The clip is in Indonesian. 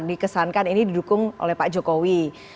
dikesankan ini didukung oleh pak jokowi